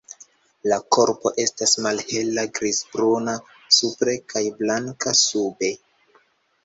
La korpo estas malhela grizbruna supre kaj blanka sube.